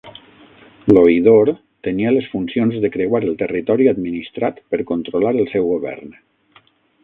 L'Oïdor tenia les funcions de creuar el territori administrat per controlar el seu govern.